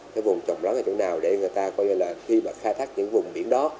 cái vùng trọng lắm là chỗ nào để người ta coi như là khi mà khai thác những vùng biển đó